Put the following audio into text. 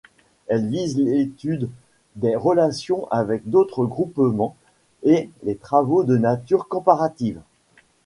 Elle vise l’étude des relations avec d’autres groupements et les travaux de nature comparative.